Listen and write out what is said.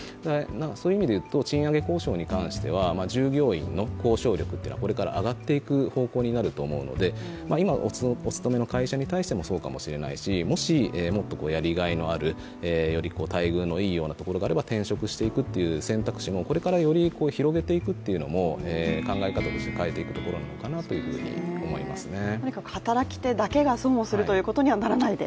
そういう意味で言うと賃上げ交渉に関しては従業員の交渉力というのはこれから上がっていく方向になるので今、お勤めの会社もそうかもしれないし、もしもっとやりがいのあるより待遇のいいところがあれば転職していくという選択肢もこれからより広げていくというのも考え方として変えていくところかなと・ホアジャオ香る四川